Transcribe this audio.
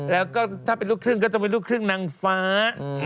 แล้วก็ถ้าเป็นลูกเครื่องก็ต้องเป็นลูกเครื่องนางฟ้า